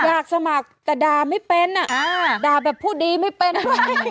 อยากสมัครแต่ดาไม่เป็นอ่ะอ่าดาแบบผู้ดีไม่เป็นเลยอ๋อ